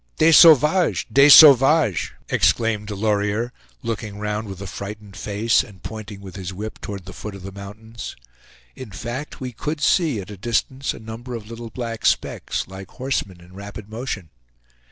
"Des sauvages! des sauvages!" exclaimed Delorier, looking round with a frightened face, and pointing with his whip toward the foot of the mountains. In fact, we could see at a distance a number of little black specks, like horsemen in rapid motion.